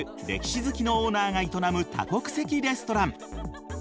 歴史好きのオーナーが営む多国籍レストラン。